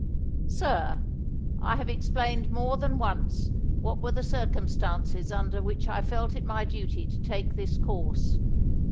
Sir, I have explained more than once what were the circumstances under which I felt it my duty to take this course.